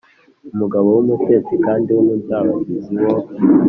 “umugabo w’umutesi kandi w’umudabagizi wo